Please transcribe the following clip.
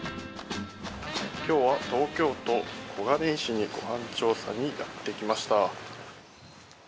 今日は東京都小金井市にご飯調査にやってきました。